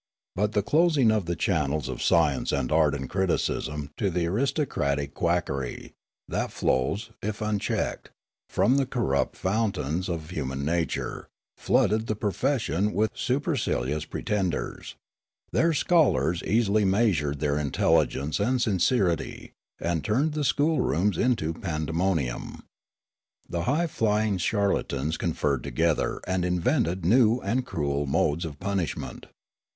But the closing of the channels of science and art and criticism to the aristocratic quack ery, that flows, if unchecked, from the corrupt fountains of human nature, flooded the profession with super cilious pretenders. Their scholars easily measured 136 Riallaro their intelligence and sincerity, and turned the school rooms into pandemonium. The high flying charlatans conferred together and invented new and cruel modes of punishment.